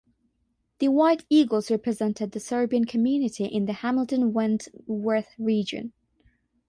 The White Eagles represented the Serbian community in the Hamilton–Wentworth region.